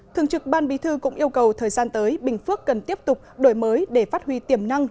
thường trực ban bí thư cũng yêu cầu thời gian tới bình phước cần tiếp tục đổi mới để phát huy tiềm năng